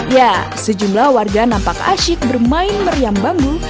ya sejumlah warga nampak asyik bermain meriam bambu